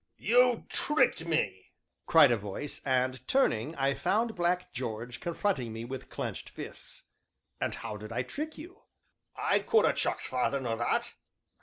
"You tricked me!" cried a voice, and turning, I found Black George confronting me, with clenched fists. "And how did I trick you?" "I could ha' chucked farther nor that."